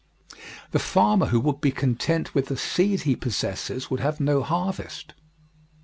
The farmer who would be content with the seed he possesses would have no harvest.